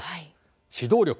指導力。